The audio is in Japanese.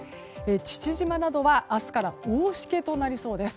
父島などは明日から大しけとなりそうです。